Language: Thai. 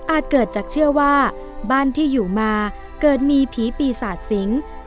เกิดจากเชื่อว่าบ้านที่อยู่มาเกิดมีผีปีศาจสิง